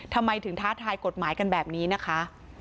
ทำไมถึงท้าทายกฎหมายกันแบบนี้นะคะ